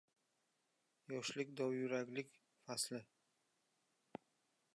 Yoshlik — dovyuraklik fasli.